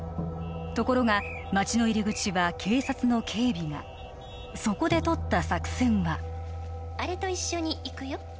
ところが街の入り口は警察の警備がそこでとった作戦は「あれと一緒に行くよ」